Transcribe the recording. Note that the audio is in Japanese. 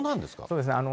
そうですね。